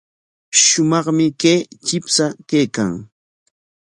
Shumaqmi kay chipsha kaykan.